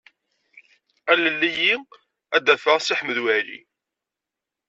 Alel-iyi ad d-afeɣ Si Ḥmed Waɛli.